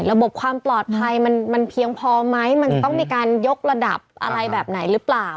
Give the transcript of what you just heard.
ระบบความปลอดภัยมันเพียงพอไหมมันจะต้องมีการยกระดับอะไรแบบไหนหรือเปล่า